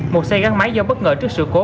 một xe gắn máy do bất ngờ trước sự cố